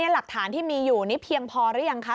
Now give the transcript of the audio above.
หลักฐานที่มีอยู่นี่เพียงพอหรือยังคะ